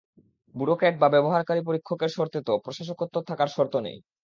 Bureaucrat বা ব্যবহারকারী পরীক্ষকের শর্তে তো প্রশাসকত্ব থাকার শর্ত নেই!